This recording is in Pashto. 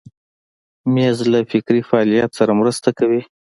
مېز له فکري فعالیت سره مرسته کوي.